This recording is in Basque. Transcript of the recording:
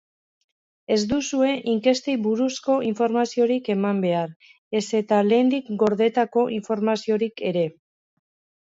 Ez duzue inkestei buruzko informaziorik eman behar, ez eta lehendik gordetako informaziorik ere.